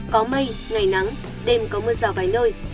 có mây ngày nắng đêm có mưa rào vài nơi